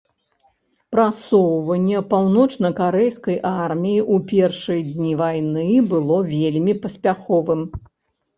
Прасоўванне паўночнакарэйскай арміі ў першыя дні вайны было вельмі паспяховым.